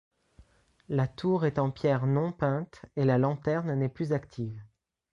La tour est en pierre non peinte et la lanterne n'est plus active.